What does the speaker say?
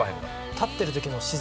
立ってるときの自然な。